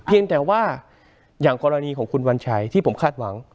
เพียงแต่ว่าอย่างกรณีของคุณวัญชัยที่ผมคาดหวัง